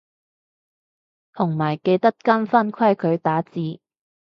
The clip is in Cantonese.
同埋記得跟返規矩打字